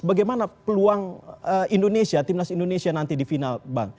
bagaimana peluang indonesia timnas indonesia nanti di final bang